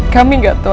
kami gak tau